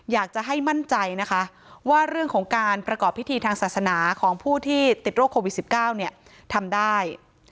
อยากจะให้มั่นใจนะคะว่าเรื่องของการประกอบพิธีทางศาสนาของผู้ที่ติดโรคโควิด๑๙ทำได้